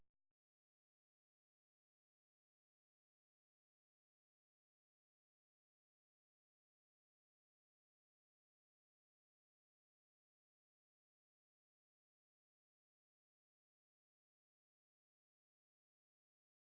สวัสดีครับ